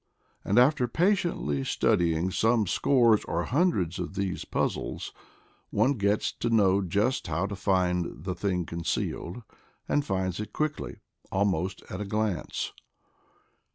And after patiently studying some scores or hundreds of these puzzles one gets to know just how to find the thing concealed, and finds it quickly— almost at a glance at last.